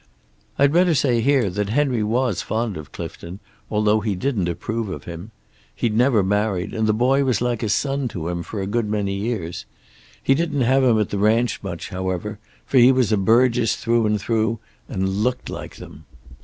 "I'd better say here that Henry was fond of Clifton, although he didn't approve of him. He'd never married, and the boy was like a son to him for a good many years. He didn't have him at the ranch much, however, for he was a Burgess through and through and looked like them.